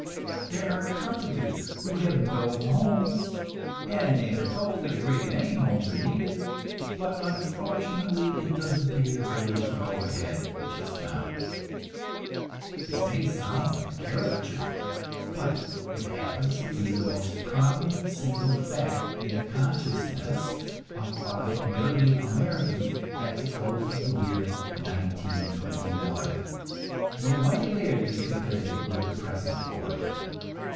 There are carpenters who have no homes, and they are told that a great many homes are needed, but unfortunately it doesn't pay the builders to go ahead just now. This may sound like a caricature, but it happens to be the most prominent single fact in the consciousness of 5,000,000 Americans at the close of the year 1921. No wonder they are discontented with the present order.